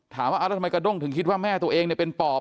ถามว่าแล้วทำไมกระด้งถึงคิดว่าแม่ตัวเองเป็นปอบ